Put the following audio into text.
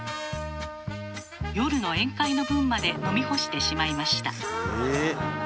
夜の宴会の分まで飲み干してしまいました。